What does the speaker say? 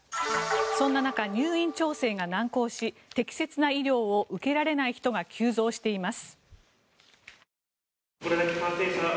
そんな中、入院調整が難航し適切な医療を受けられない人が急増しています。